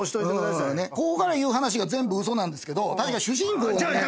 ここから言う話が全部嘘なんですけど確か主人公がね。